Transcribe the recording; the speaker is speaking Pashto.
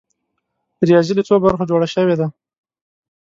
ریاضي له څو برخو جوړه شوې ده؟